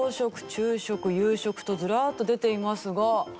昼食夕食とズラーッと出ていますが。